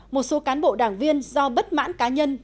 một số cán bộ đảng viên do bất mãn cá nhân